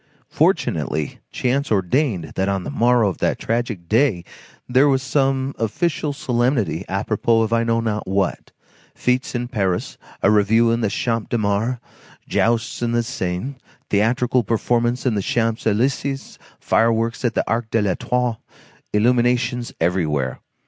Fortunately, chance ordained that on the morrow of that tragic day, there was some official solemnity apropos of I know not what,—fêtes in Paris, a review in the Champ de Mars, jousts on the Seine, theatrical performances in the Champs Élysées, fireworks at the Arc de l'Étoile, illuminations everywhere.